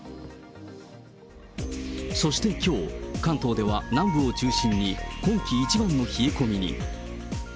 そしてきょう、関東では南部を中心に、今季一番の冷え込みに。